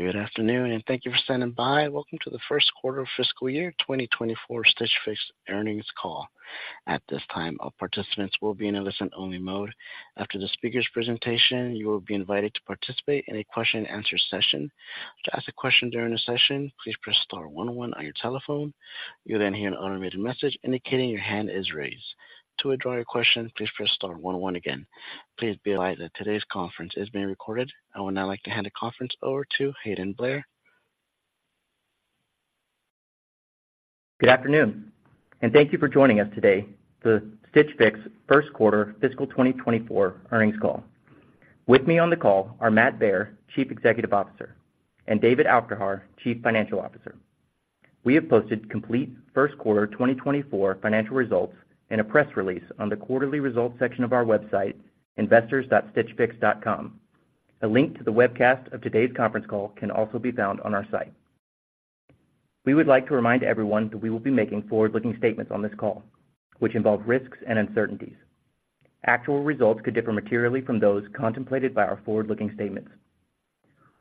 Good afternoon, and thank you for standing by. Welcome to the first quarter of fiscal year 2024 Stitch Fix earnings call. At this time, all participants will be in a listen-only mode. After the speaker's presentation, you will be invited to participate in a question-and-answer session. To ask a question during the session, please press star one one on your telephone. You'll then hear an automated message indicating your hand is raised. To withdraw your question, please press star one one again. Please be advised that today's conference is being recorded. I would now like to hand the conference over to Hayden Blair. Good afternoon, and thank you for joining us today for the Stitch Fix first quarter fiscal 2024 earnings call. With me on the call are Matt Baer, Chief Executive Officer, and David Aufderhaar, Chief Financial Officer. We have posted complete first quarter 2024 financial results in a press release on the quarterly results section of our website, Investors.StitchFix.com. A link to the webcast of today's conference call can also be found on our site. We would like to remind everyone that we will be making forward-looking statements on this call, which involve risks and uncertainties. Actual results could differ materially from those contemplated by our forward-looking statements.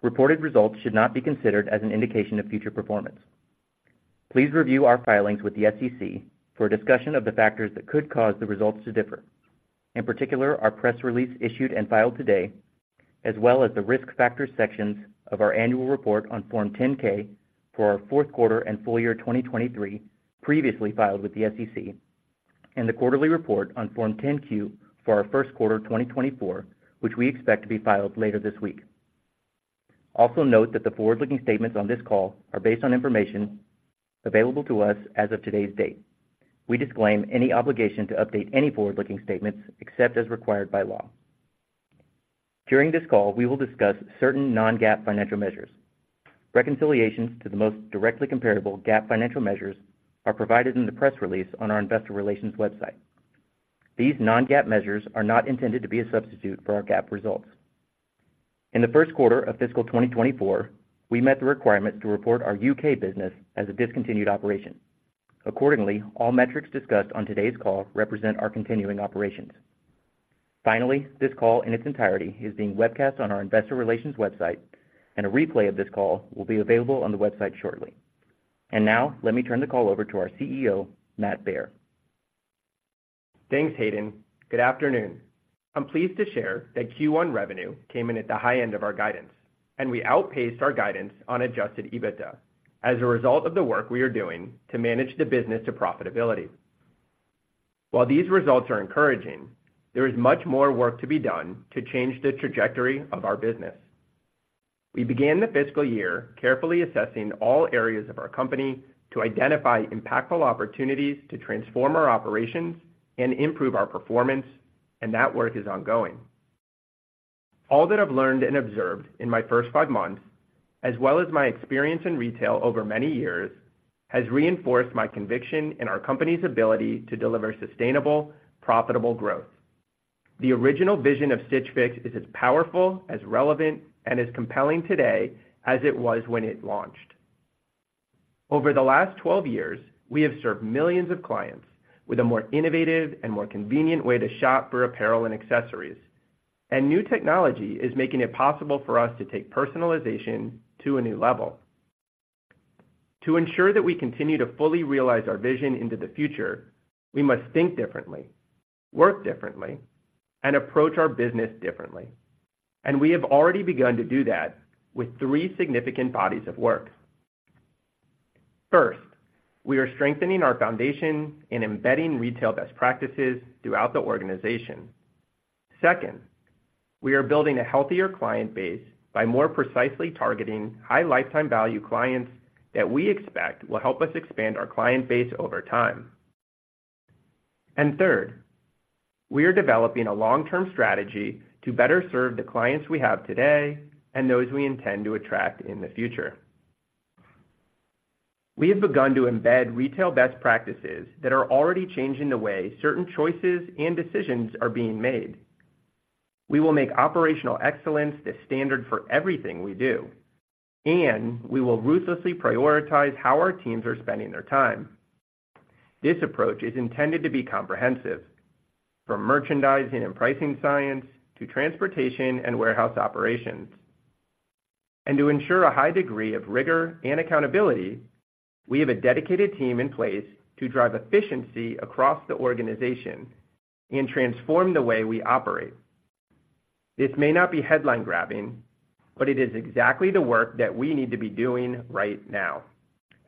Reported results should not be considered as an indication of future performance. Please review our filings with the SEC for a discussion of the factors that could cause the results to differ. In particular, our press release issued and filed today, as well as the risk factors sections of our annual report on Form 10-K for our fourth quarter and full year 2023, previously filed with the SEC, and the quarterly report on Form 10-Q for our first quarter 2024, which we expect to be filed later this week. Also, note that the forward-looking statements on this call are based on information available to us as of today's date. We disclaim any obligation to update any forward-looking statements except as required by law. During this call, we will discuss certain non-GAAP financial measures. Reconciliations to the most directly comparable GAAP financial measures are provided in the press release on our investor relations website. These non-GAAP measures are not intended to be a substitute for our GAAP results. In the first quarter of fiscal 2024, we met the requirements to report our U.K. business as a discontinued operation. Accordingly, all metrics discussed on today's call represent our continuing operations. Finally, this call in its entirety is being webcast on our investor relations website, and a replay of this call will be available on the website shortly. And now, let me turn the call over to our CEO, Matt Baer. Thanks, Hayden. Good afternoon. I'm pleased to share that Q1 revenue came in at the high end of our guidance, and we outpaced our guidance on adjusted EBITDA as a result of the work we are doing to manage the business to profitability. While these results are encouraging, there is much more work to be done to change the trajectory of our business. We began the fiscal year carefully assessing all areas of our company to identify impactful opportunities to transform our operations and improve our performance, and that work is ongoing. All that I've learned and observed in my first five months, as well as my experience in retail over many years, has reinforced my conviction in our company's ability to deliver sustainable, profitable growth. The original vision of Stitch Fix is as powerful, as relevant, and as compelling today as it was when it launched. Over the last 12 years, we have served millions of clients with a more innovative and more convenient way to shop for apparel and accessories, and new technology is making it possible for us to take personalization to a new level. To ensure that we continue to fully realize our vision into the future, we must think differently, work differently, and approach our business differently. We have already begun to do that with three significant bodies of work. First, we are strengthening our foundation in embedding retail best practices throughout the organization. Second, we are building a healthier client base by more precisely targeting high lifetime value clients that we expect will help us expand our client base over time. And third, we are developing a long-term strategy to better serve the clients we have today and those we intend to attract in the future. We have begun to embed retail best practices that are already changing the way certain choices and decisions are being made. We will make operational excellence the standard for everything we do, and we will ruthlessly prioritize how our teams are spending their time. This approach is intended to be comprehensive, from merchandising and pricing science to transportation and warehouse operations. To ensure a high degree of rigor and accountability, we have a dedicated team in place to drive efficiency across the organization and transform the way we operate. This may not be headline-grabbing, but it is exactly the work that we need to be doing right now,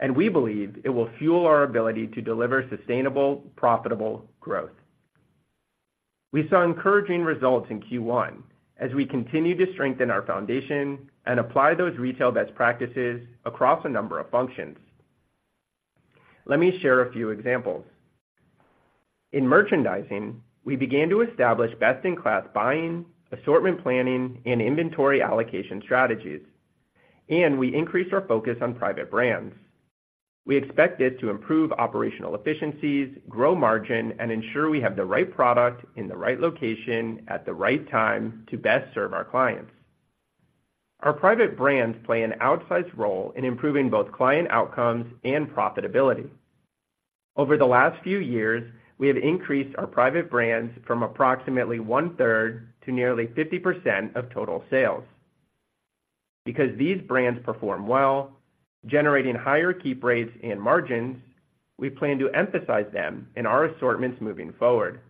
and we believe it will fuel our ability to deliver sustainable, profitable growth. We saw encouraging results in Q1 as we continued to strengthen our foundation and apply those retail best practices across a number of functions. Let me share a few examples. In merchandising, we began to establish best-in-class buying, assortment planning, and inventory allocation strategies, and we increased our focus on private brands. We expect this to improve operational efficiencies, grow margin, and ensure we have the right product in the right location at the right time to best serve our clients. Our private brands play an outsized role in improving both client outcomes and profitability. Over the last few years, we have increased our private brands from approximately 1/3 to nearly 50% of total sales. Because these brands perform well, generating higher keep rates and margins, we plan to emphasize them in our assortments moving forward.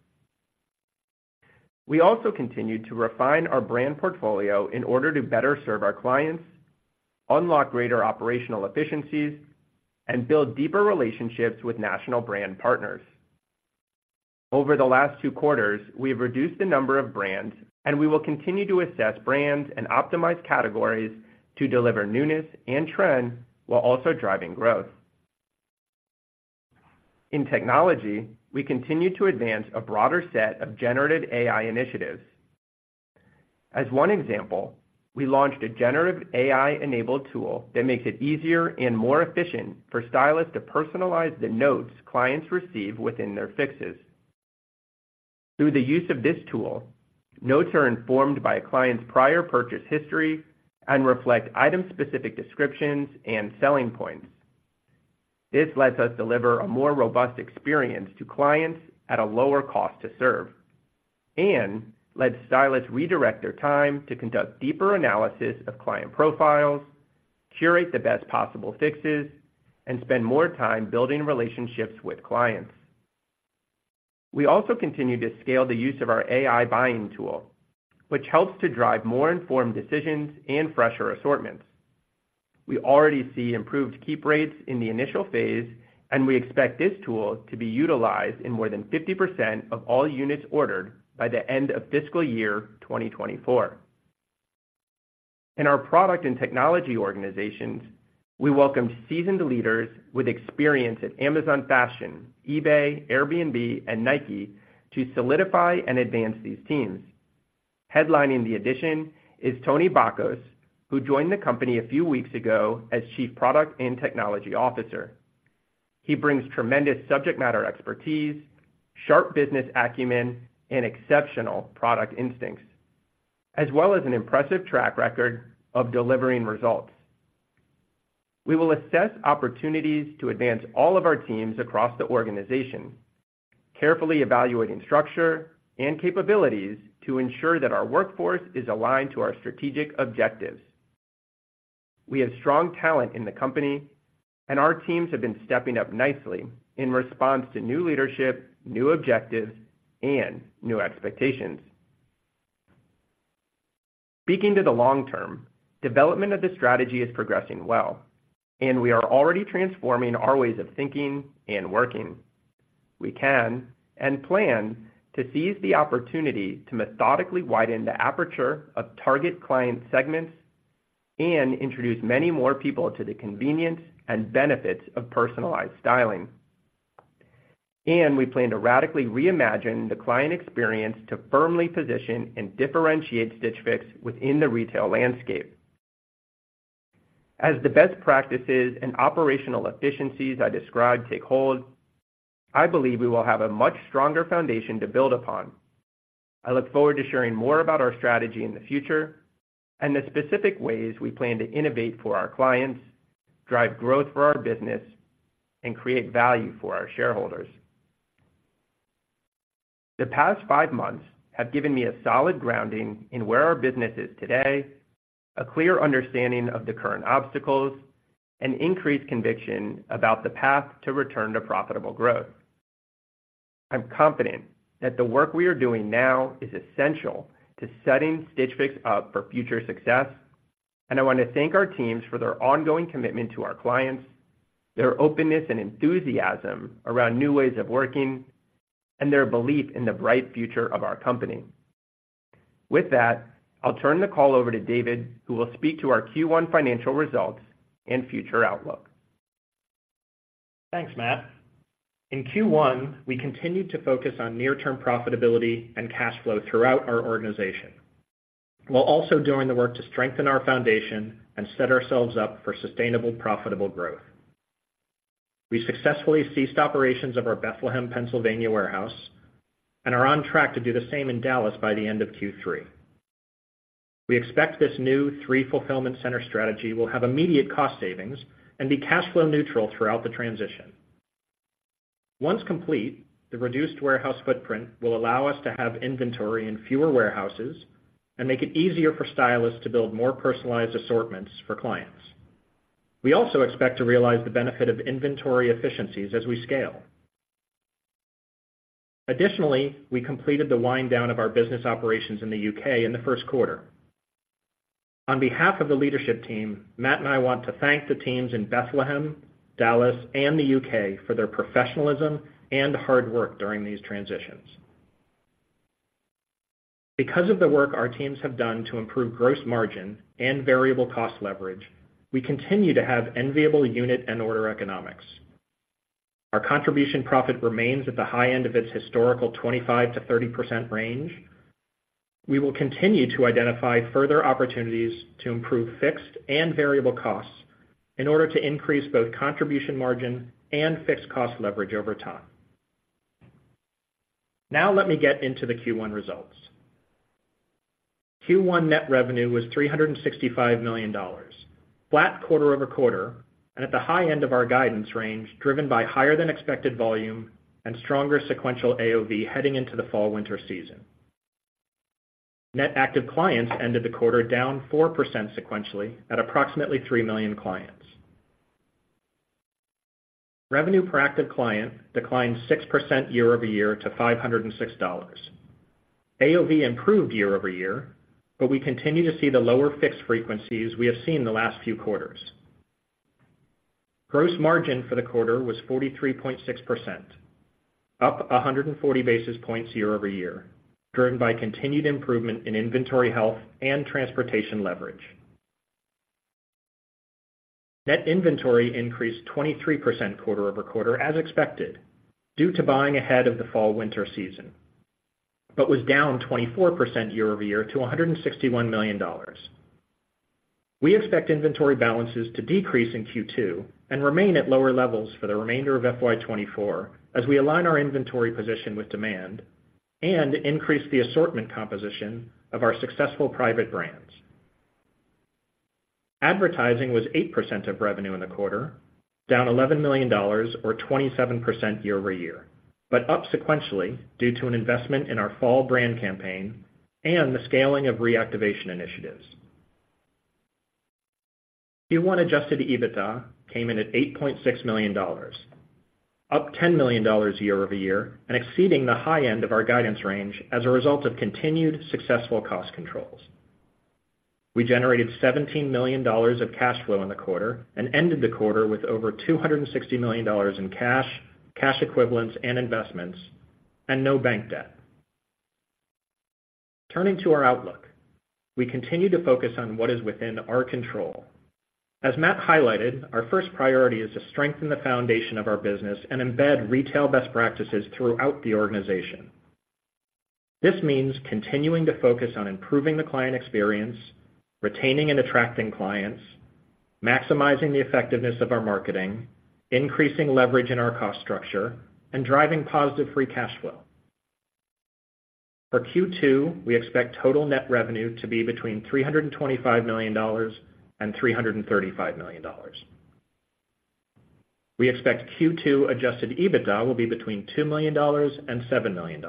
We also continue to refine our brand portfolio in order to better serve our clients, unlock greater operational efficiencies, and build deeper relationships with national brand partners. Over the last two quarters, we have reduced the number of brands, and we will continue to assess brands and optimize categories to deliver newness and trend while also driving growth. In technology, we continue to advance a broader set of Generative AI initiatives. As one example, we launched a Generative AI-enabled tool that makes it easier and more efficient for stylists to personalize the notes clients receive within their Fixes. Through the use of this tool, notes are informed by a client's prior purchase history and reflect item-specific descriptions and selling points. This lets us deliver a more robust experience to clients at a lower cost to serve and lets stylists redirect their time to conduct deeper analysis of client profiles, curate the best possible Fixes, and spend more time building relationships with clients. We also continue to scale the use of our AI buying tool, which helps to drive more informed decisions and fresher assortments. We already see improved keep rates in the initial phase, and we expect this tool to be utilized in more than 50% of all units ordered by the end of fiscal year 2024. In our product and technology organizations, we welcomed seasoned leaders with experience at Amazon Fashion, eBay, Airbnb, and Nike to solidify and advance these teams. Headlining the addition is Tony Bacos, who joined the company a few weeks ago as Chief Product and Technology Officer. He brings tremendous subject matter expertise, sharp business acumen, and exceptional product instincts, as well as an impressive track record of delivering results. We will assess opportunities to advance all of our teams across the organization, carefully evaluating structure and capabilities to ensure that our workforce is aligned to our strategic objectives. We have strong talent in the company, and our teams have been stepping up nicely in response to new leadership, new objectives, and new expectations. Speaking to the long term, development of the strategy is progressing well, and we are already transforming our ways of thinking and working. We can and plan to seize the opportunity to methodically widen the aperture of target client segments and introduce many more people to the convenience and benefits of personalized styling. And we plan to radically reimagine the client experience to firmly position and differentiate Stitch Fix within the retail landscape. As the best practices and operational efficiencies I described take hold, I believe we will have a much stronger foundation to build upon. I look forward to sharing more about our strategy in the future and the specific ways we plan to innovate for our clients, drive growth for our business, and create value for our shareholders. The past five months have given me a solid grounding in where our business is today, a clear understanding of the current obstacles, and increased conviction about the path to return to profitable growth. I'm confident that the work we are doing now is essential to setting Stitch Fix up for future success, and I want to thank our teams for their ongoing commitment to our clients, their openness and enthusiasm around new ways of working, and their belief in the bright future of our company. With that, I'll turn the call over to David, who will speak to our Q1 financial results and future outlook. Thanks, Matt. In Q1, we continued to focus on near-term profitability and cash flow throughout our organization, while also doing the work to strengthen our foundation and set ourselves up for sustainable, profitable growth. We successfully ceased operations of our Bethlehem, Pennsylvania, warehouse and are on track to do the same in Dallas by the end of Q3. We expect this new three-fulfillment center strategy will have immediate cost savings and be cash flow neutral throughout the transition. Once complete, the reduced warehouse footprint will allow us to have inventory in fewer warehouses and make it easier for stylists to build more personalized assortments for clients. We also expect to realize the benefit of inventory efficiencies as we scale. Additionally, we completed the wind down of our business operations in the U.K. in the first quarter. On behalf of the leadership team, Matt and I want to thank the teams in Bethlehem, Dallas, and the U.K. for their professionalism and hard work during these transitions. Because of the work our teams have done to improve gross margin and variable cost leverage, we continue to have enviable unit and order economics. Our contribution profit remains at the high end of its historical 25%-30% range. We will continue to identify further opportunities to improve fixed and variable costs in order to increase both contribution margin and fixed cost leverage over time. Now let me get into the Q1 results. Q1 net revenue was $365 million, flat quarter-over-quarter, and at the high end of our guidance range, driven by higher than expected volume and stronger sequential AOV heading into the fall/winter season. Net active clients ended the quarter down 4% sequentially at approximately 3 million clients. Revenue per active client declined 6% year-over-year to $506. AOV improved year-over-year, but we continue to see the lower Fix frequencies we have seen the last few quarters. Gross margin for the quarter was 43.6%, up 140 basis points year-over-year, driven by continued improvement in inventory health and transportation leverage. Net inventory increased 23% quarter-over-quarter, as expected, due to buying ahead of the fall/winter season, but was down 24% year-over-year to $161 million. We expect inventory balances to decrease in Q2 and remain at lower levels for the remainder of FY 2024 as we align our inventory position with demand and increase the assortment composition of our successful private brands. Advertising was 8% of revenue in the quarter, down $11 million or 27% year-over-year, but up sequentially due to an investment in our fall brand campaign and the scaling of reactivation initiatives. Q1 adjusted EBITDA came in at $8.6 million, up $10 million year-over-year, and exceeding the high end of our guidance range as a result of continued successful cost controls. We generated $17 million of cash flow in the quarter and ended the quarter with over $260 million in cash, cash equivalents, and investments, and no bank debt. Turning to our outlook, we continue to focus on what is within our control. As Matt highlighted, our first priority is to strengthen the foundation of our business and embed retail best practices throughout the organization. This means continuing to focus on improving the client experience, retaining and attracting clients, maximizing the effectiveness of our marketing, increasing leverage in our cost structure, and driving positive free cash flow. For Q2, we expect total net revenue to be between $325 million-$335 million. We expect Q2 adjusted EBITDA will be between $2 million-$7 million.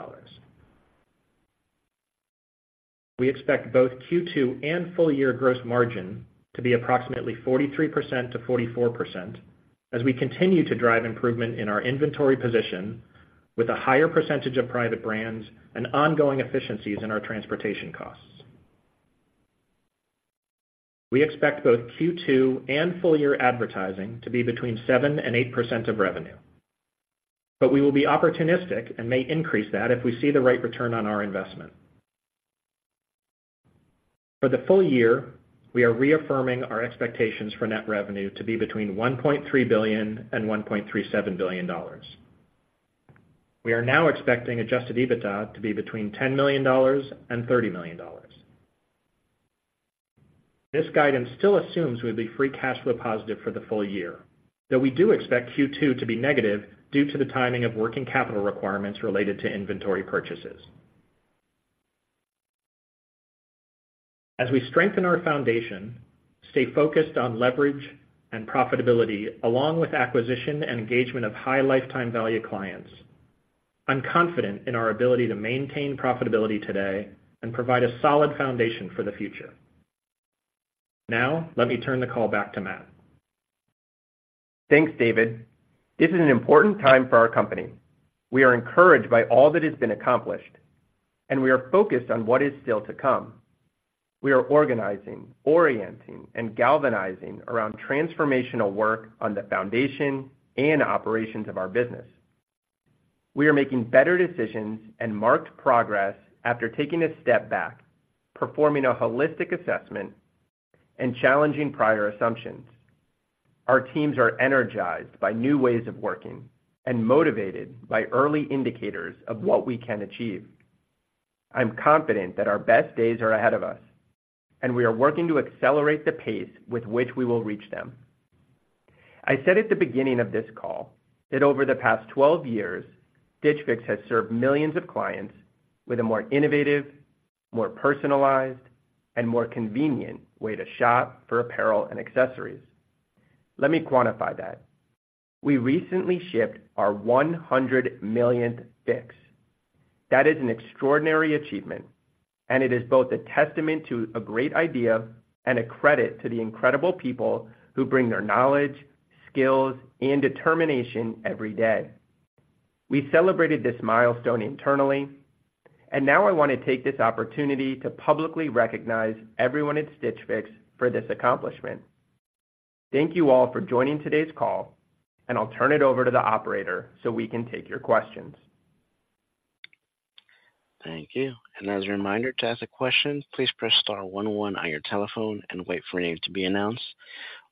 We expect both Q2 and full year gross margin to be approximately 43%-44% as we continue to drive improvement in our inventory position with a higher percentage of private brands and ongoing efficiencies in our transportation costs. We expect both Q2 and full year advertising to be between 7%-8% of revenue, but we will be opportunistic and may increase that if we see the right return on our investment. For the full year, we are reaffirming our expectations for net revenue to be between $1.3 billion-$1.37 billion. We are now expecting adjusted EBITDA to be between $10 million-$30 million. This guidance still assumes we'll be free cash flow positive for the full year, though we do expect Q2 to be negative due to the timing of working capital requirements related to inventory purchases. As we strengthen our foundation, stay focused on leverage and profitability, along with acquisition and engagement of high lifetime value clients, I'm confident in our ability to maintain profitability today and provide a solid foundation for the future. Now, let me turn the call back to Matt. Thanks, David. This is an important time for our company. We are encouraged by all that has been accomplished, and we are focused on what is still to come. We are organizing, orienting, and galvanizing around transformational work on the foundation and operations of our business. We are making better decisions and marked progress after taking a step back, performing a holistic assessment, and challenging prior assumptions. Our teams are energized by new ways of working and motivated by early indicators of what we can achieve. I'm confident that our best days are ahead of us, and we are working to accelerate the pace with which we will reach them. I said at the beginning of this call that over the past 12 years, Stitch Fix has served millions of clients with a more innovative, more personalized, and more convenient way to shop for apparel and accessories. Let me quantify that. We recently shipped our 100 millionth Fix. That is an extraordinary achievement, and it is both a testament to a great idea and a credit to the incredible people who bring their knowledge, skills, and determination every day. We celebrated this milestone internally, and now I want to take this opportunity to publicly recognize everyone at Stitch Fix for this accomplishment. Thank you all for joining today's call, and I'll turn it over to the operator so we can take your questions. Thank you. As a reminder, to ask a question, please press star one one on your telephone and wait for your name to be announced.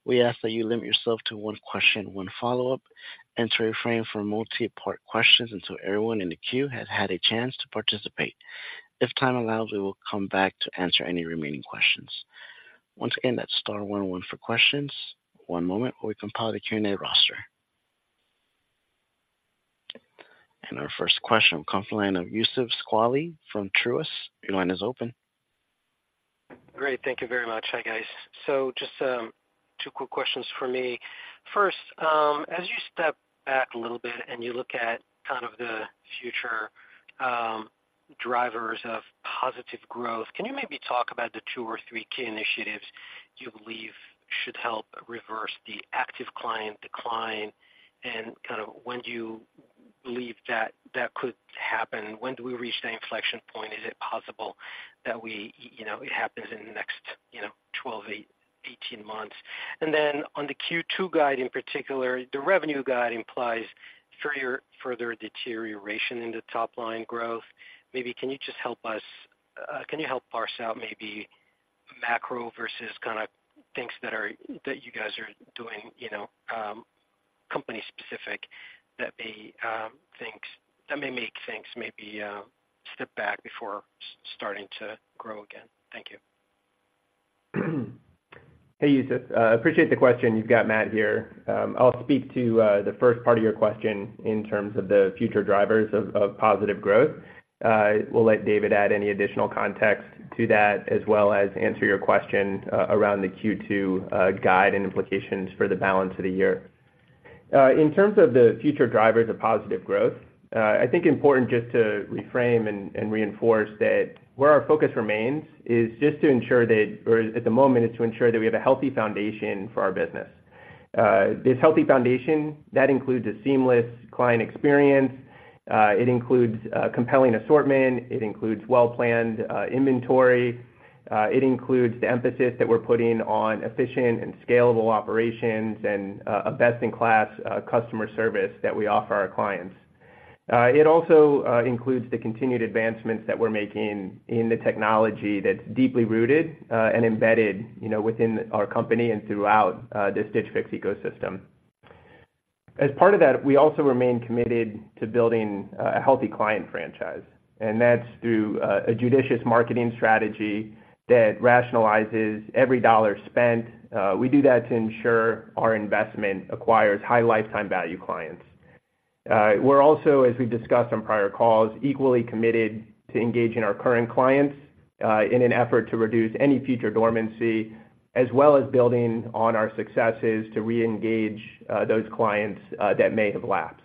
We ask that you limit yourself to one question, one follow-up, and to refrain from multi-part questions until everyone in the queue has had a chance to participate. If time allows, we will come back to answer any remaining questions.... Once again, that's star one zero one for questions. One moment while we compile the Q&A roster. Our first question will come from the line of Youssef Squali from Truist. Your line is open. Great. Thank you very much. Hi, guys. So just two quick questions for me. First, as you step back a little bit and you look at kind of the future drivers of positive growth, can you maybe talk about the two or three key initiatives you believe should help reverse the active client decline? And kind of when do you believe that that could happen? When do we reach that inflection point? Is it possible that we, you know, it happens in the next, you know, 12-18 months? And then on the Q2 guide, in particular, the revenue guide implies further, further deterioration in the top line growth. Maybe can you just help parse out maybe macro versus kind of things that you guys are doing, you know, company specific, that may make things maybe step back before starting to grow again? Thank you. Hey, Youssef. Appreciate the question. You've got Matt here. I'll speak to the first part of your question in terms of the future drivers of positive growth. We'll let David add any additional context to that, as well as answer your question around the Q2 guide and implications for the balance of the year. In terms of the future drivers of positive growth, I think important just to reframe and reinforce that where our focus remains is just to ensure that, or at the moment, is to ensure that we have a healthy foundation for our business. This healthy foundation, that includes a seamless client experience, it includes compelling assortment, it includes well-planned inventory, it includes the emphasis that we're putting on efficient and scalable operations and a best-in-class customer service that we offer our clients. It also includes the continued advancements that we're making in the technology that's deeply rooted and embedded, you know, within our company and throughout this Stitch Fix ecosystem. As part of that, we also remain committed to building a healthy client franchise, and that's through a judicious marketing strategy that rationalizes every dollar spent. We do that to ensure our investment acquires high lifetime value clients. We're also, as we've discussed on prior calls, equally committed to engaging our current clients, in an effort to reduce any future dormancy, as well as building on our successes to reengage those clients that may have lapsed.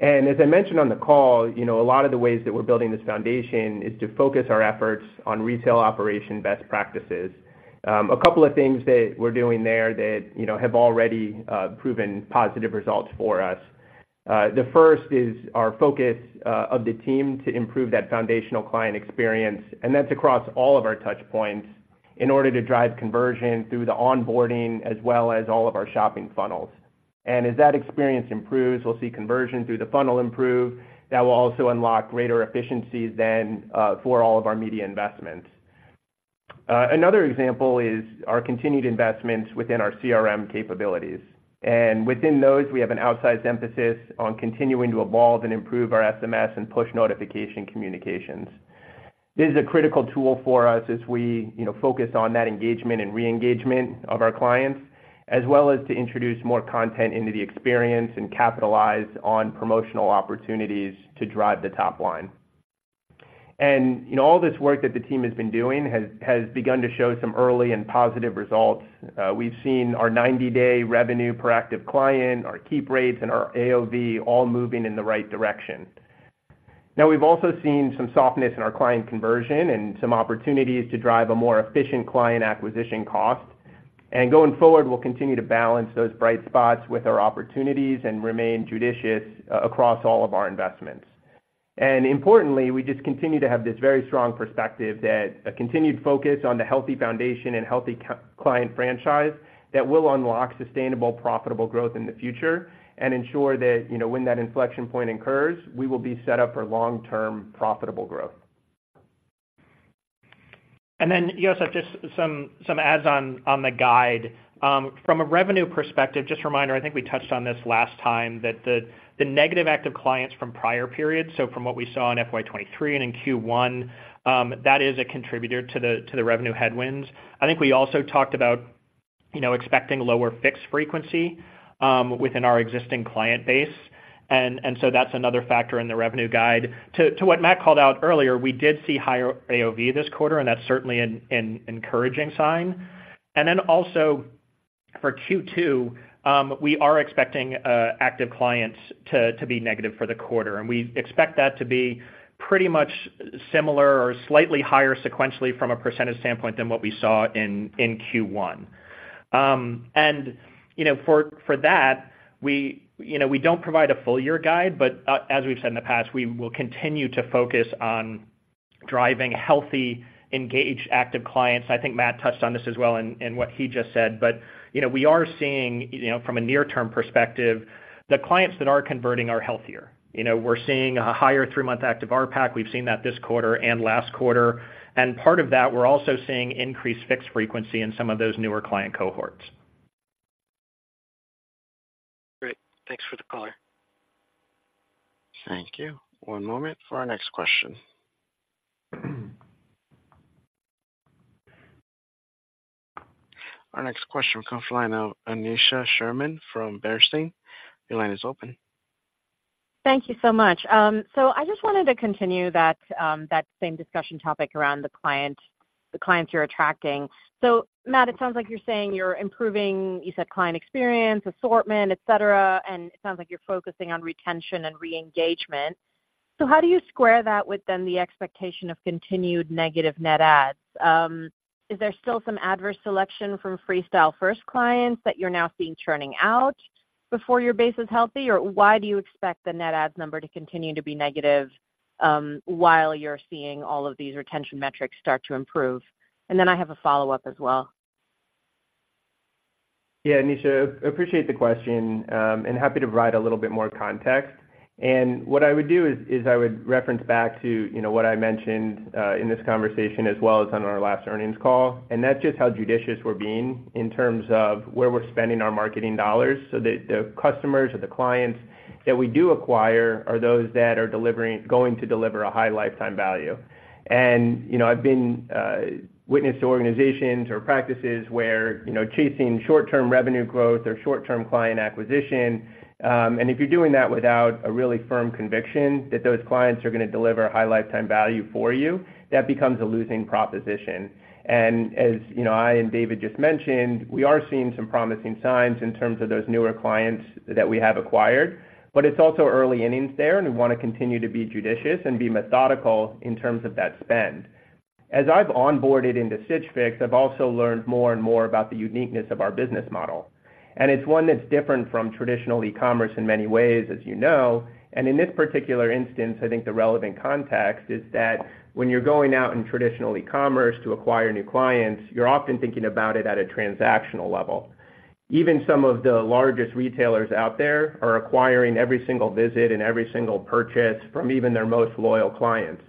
And as I mentioned on the call, you know, a lot of the ways that we're building this foundation is to focus our efforts on retail operation best practices. A couple of things that we're doing there that, you know, have already proven positive results for us. The first is our focus of the team to improve that foundational client experience, and that's across all of our touch points, in order to drive conversion through the onboarding, as well as all of our shopping funnels. And as that experience improves, we'll see conversion through the funnel improve. That will also unlock greater efficiencies than for all of our media investments. Another example is our continued investments within our CRM capabilities. And within those, we have an outsized emphasis on continuing to evolve and improve our SMS and push notification communications. This is a critical tool for us as we, you know, focus on that engagement and re-engagement of our clients, as well as to introduce more content into the experience and capitalize on promotional opportunities to drive the top line. And, you know, all this work that the team has been doing has begun to show some early and positive results. We've seen our 90-day revenue per active client, our keep rates, and our AOV all moving in the right direction. Now, we've also seen some softness in our client conversion and some opportunities to drive a more efficient client acquisition cost. Going forward, we'll continue to balance those bright spots with our opportunities and remain judicious across all of our investments. Importantly, we just continue to have this very strong perspective that a continued focus on the healthy foundation and healthy client franchise will unlock sustainable, profitable growth in the future and ensure that, you know, when that inflection point occurs, we will be set up for long-term, profitable growth. Then, Youssef, just some adds on the guide. From a revenue perspective, just a reminder, I think we touched on this last time, that the negative active clients from prior periods, so from what we saw in FY 2023 and in Q1, that is a contributor to the revenue headwinds. I think we also talked about, you know, expecting lower Fix frequency within our existing client base. So that's another factor in the revenue guide. To what Matt called out earlier, we did see higher AOV this quarter, and that's certainly an encouraging sign. And then also for Q2, we are expecting active clients to be negative for the quarter, and we expect that to be pretty much similar or slightly higher sequentially from a percentage standpoint than what we saw in Q1. And you know, for that, we you know, we don't provide a full year guide, but as we've said in the past, we will continue to focus on driving healthy, engaged, active clients. I think Matt touched on this as well in what he just said. But you know, we are seeing you know, from a near-term perspective, the clients that are converting are healthier. You know, we're seeing a higher three-month active RPAC. We've seen that this quarter and last quarter, and part of that, we're also seeing increased Fix frequency in some of those newer client cohorts. Thank you. One moment for our next question. Our next question comes from the line of Aneesha Sherman from Bernstein. Your line is open. Thank you so much. So I just wanted to continue that, that same discussion topic around the client, the clients you're attracting. So Matt, it sounds like you're saying you're improving, you said client experience, assortment, et cetera, and it sounds like you're focusing on retention and re-engagement. So how do you square that with then the expectation of continued negative net adds? Is there still some adverse selection from Freestyle first clients that you're now seeing churning out before your base is healthy? Or why do you expect the net adds number to continue to be negative, while you're seeing all of these retention metrics start to improve? And then I have a follow-up as well. Yeah, Aneesha, appreciate the question, and happy to provide a little bit more context. What I would do is I would reference back to, you know, what I mentioned in this conversation as well as on our last earnings call, and that's just how judicious we're being in terms of where we're spending our marketing dollars, so that the customers or the clients that we do acquire are those that are delivering, going to deliver a high lifetime value. You know, I've been witness to organizations or practices where, you know, chasing short-term revenue growth or short-term client acquisition, and if you're doing that without a really firm conviction that those clients are gonna deliver high lifetime value for you, that becomes a losing proposition. And as you know, I and David just mentioned, we are seeing some promising signs in terms of those newer clients that we have acquired, but it's also early innings there, and we wanna continue to be judicious and be methodical in terms of that spend. As I've onboarded into Stitch Fix, I've also learned more and more about the uniqueness of our business model, and it's one that's different from traditional e-commerce in many ways, as you know. And in this particular instance, I think the relevant context is that when you're going out in traditional e-commerce to acquire new clients, you're often thinking about it at a transactional level. Even some of the largest retailers out there are acquiring every single visit and every single purchase from even their most loyal clients.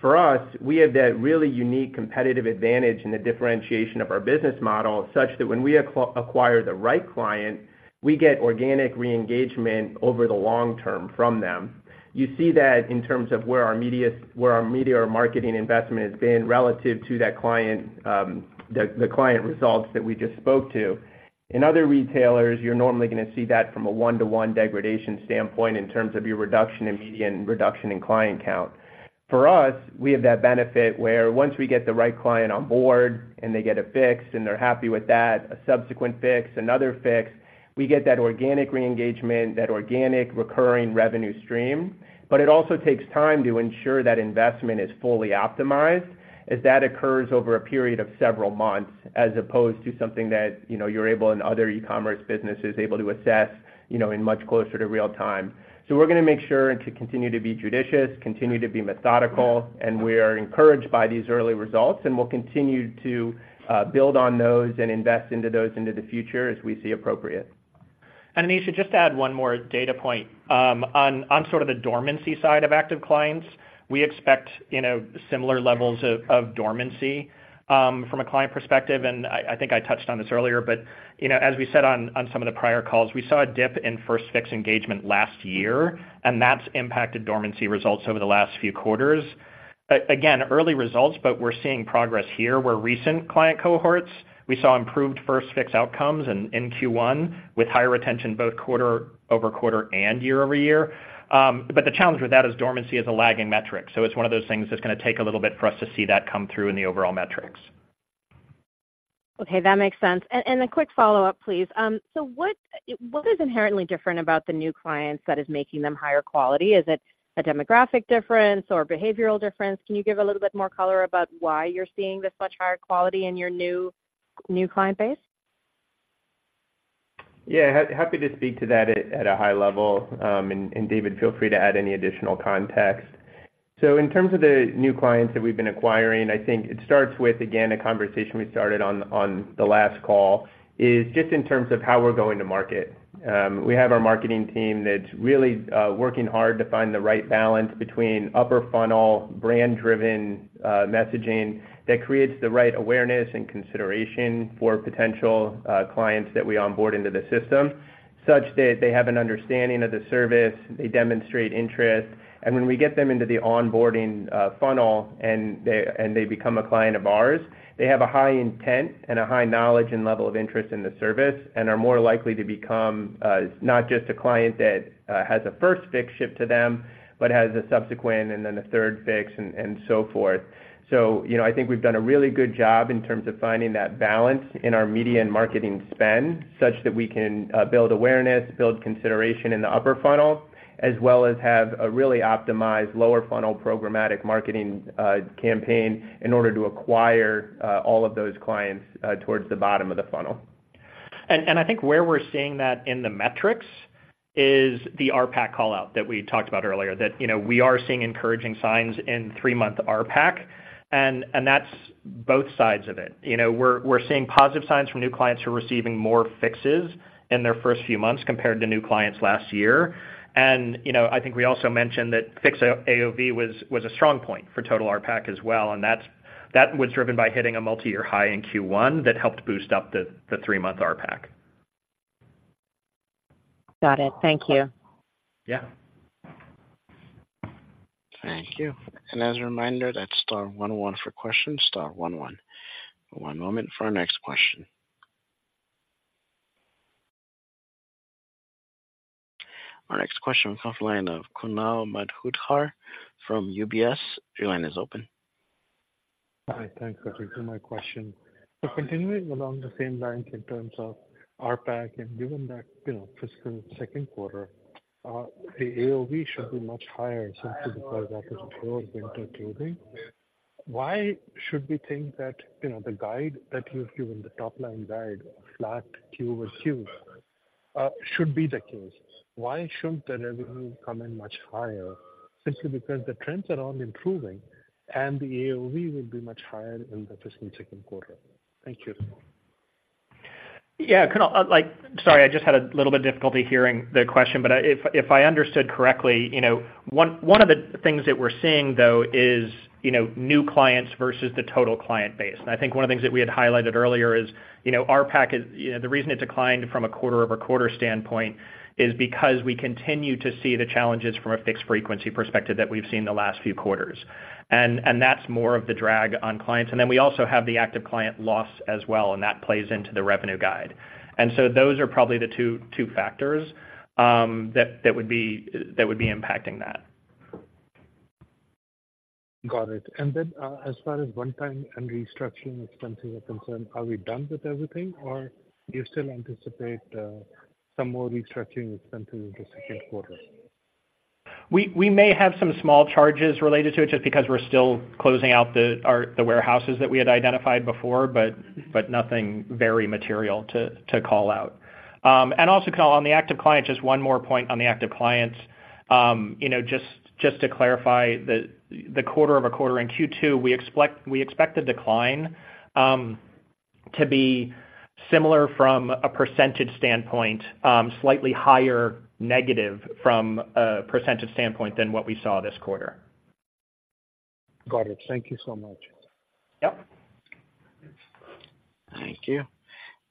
For us, we have that really unique competitive advantage in the differentiation of our business model, such that when we acquire the right client, we get organic re-engagement over the long term from them. You see that in terms of where our media or marketing investment has been relative to that client, the client results that we just spoke to. In other retailers, you're normally gonna see that from a one-to-one degradation standpoint in terms of your reduction in media, reduction in client count. For us, we have that benefit where once we get the right client on board and they get a Fix, and they're happy with that, a subsequent Fix, another Fix, we get that organic re-engagement, that organic recurring revenue stream. But it also takes time to ensure that investment is fully optimized, as that occurs over a period of several months, as opposed to something that, you know, you're able, in other e-commerce businesses, able to assess, you know, in much closer to real time. So we're gonna make sure and to continue to be judicious, continue to be methodical, and we are encouraged by these early results, and we'll continue to build on those and invest into those into the future as we see appropriate. And Aneesha, just to add one more data point. On sort of the dormancy side of active clients, we expect, you know, similar levels of dormancy from a client perspective, and I think I touched on this earlier, but, you know, as we said on some of the prior calls, we saw a dip in first Fix engagement last year, and that's impacted dormancy results over the last few quarters. Again, early results, but we're seeing progress here, where recent client cohorts, we saw improved first Fix outcomes in Q1, with higher retention, both quarter-over-quarter and year-over-year. But the challenge with that is dormancy is a lagging metric, so it's one of those things that's gonna take a little bit for us to see that come through in the overall metrics. Okay, that makes sense. And a quick follow-up, please. So what, what is inherently different about the new clients that is making them higher quality? Is it a demographic difference or behavioral difference? Can you give a little bit more color about why you're seeing this much higher quality in your new, new client base? Yeah, happy to speak to that at a high level. And David, feel free to add any additional context. So in terms of the new clients that we've been acquiring, I think it starts with, again, a conversation we started on the last call, is just in terms of how we're going to market. We have our marketing team that's really working hard to find the right balance between upper funnel, brand-driven messaging that creates the right awareness and consideration for potential clients that we onboard into the system, such that they have an understanding of the service, they demonstrate interest, and when we get them into the onboarding funnel and they become a client of ours, they have a high intent and a high knowledge and level of interest in the service and are more likely to become not just a client that has a first Fix shipped to them, but has a subsequent and then a third Fix and so forth. So, you know, I think we've done a really good job in terms of finding that balance in our media and marketing spend, such that we can build awareness, build consideration in the upper funnel, as well as have a really optimized lower funnel programmatic marketing campaign in order to acquire all of those clients towards the bottom of the funnel. And I think where we're seeing that in the metrics is the RPAC call-out that we talked about earlier, that you know we are seeing encouraging signs in three-month RPAC, and that's both sides of it. You know, we're seeing positive signs from new clients who are receiving more fixes in their first few months compared to new clients last year. And you know I think we also mentioned that Fix AOV was a strong point for total RPAC as well, and that was driven by hitting a multiyear high in Q1 that helped boost up the three-month RPAC. Got it. Thank you. Yeah. Thank you. As a reminder, that's star one one for questions, star one one. One moment for our next question. Our next question comes from the line of Kunal Madhukar from UBS. Your line is open. Hi, thanks for taking my question. So continuing along the same lines in terms of RPAC, and given that, you know, fiscal second quarter, the AOV should be much higher simply because that is pure winter clothing. Why should we think that, you know, the guide that you've given, the top line guide, flat Q-over-Q, should be the case? Why shouldn't the revenue come in much higher simply because the trends are all improving and the AOV will be much higher in the fiscal second quarter? Thank you. Yeah, Kunal, sorry, I just had a little bit of difficulty hearing the question, but if I understood correctly, you know, one of the things that we're seeing, though, is, you know, new clients versus the total client base. And I think one of the things that we had highlighted earlier is, you know, RPAC is, you know, the reason it declined from a quarter-over-quarter standpoint is because we continue to see the challenges from a Fix frequency perspective that we've seen the last few quarters. And that's more of the drag on clients. And then we also have the active client loss as well, and that plays into the revenue guide. And so those are probably the two factors that would be impacting that. Got it. And then, as far as one-time and restructuring expenses are concerned, are we done with everything, or do you still anticipate some more restructuring expenses in the second quarter? We may have some small charges related to it, just because we're still closing out our warehouses that we had identified before, but nothing very material to call out. And also, Kunal, on the active client, just one more point on the active client. You know, just to clarify, the quarter-over-quarter in Q2, we expect the decline to be similar from a percentage standpoint, slightly higher negative from a percentage standpoint than what we saw this quarter. Got it. Thank you so much. Yep. Thank you.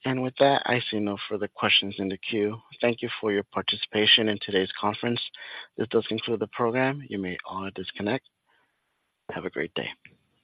With that, I see no further questions in the queue. Thank you for your participation in today's conference. This does conclude the program. You may all disconnect. Have a great day.